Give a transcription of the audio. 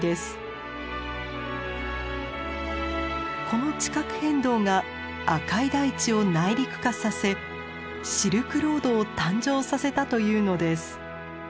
この地殻変動が赤い大地を内陸化させシルクロードを誕生させたというのです。